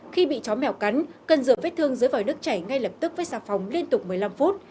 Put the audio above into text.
khi bị chó mèo cắn cân rửa vết thương dưới vòi nước chảy ngay lập tức với xà phòng liên tục một mươi năm phút